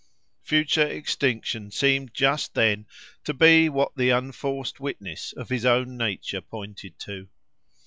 Future extinction seemed just then to be what the unforced witness of his own nature pointed to.